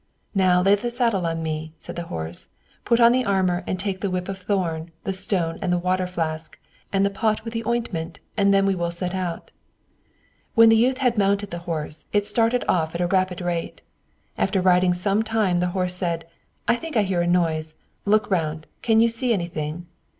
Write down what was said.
"Now lay the saddle on me," said the horse, "put on the armor and take the whip of thorn, the stone and the water flask, and the pot with ointment, and then we will set out." When the youth had mounted the horse, it started off at a rapid rate. After riding some time, the horse said, "I think I hear a noise. Look round: can you see anything?"